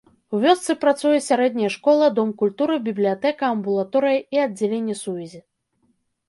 У вёсцы працуе сярэдняя школа, дом культуры, бібліятэка, амбулаторыя і аддзяленне сувязі.